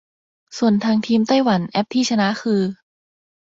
ส่วนทางทีมไต้หวันแอปที่ชนะคือ